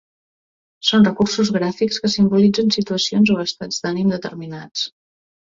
Són recursos gràfics que simbolitzen situacions o estats d'ànim determinats.